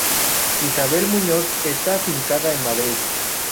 Isabel Muñoz está afincada en Madrid.